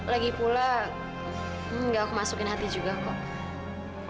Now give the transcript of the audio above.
lagi pula enggak aku masukin hati juga kok